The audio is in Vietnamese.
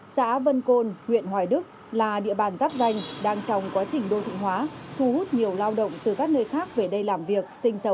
xã vân côn huyện hoài đức là địa bàn giáp danh đang trong quá trình đô thị hóa thu hút nhiều lao động từ các nơi khác về đây làm việc sinh sống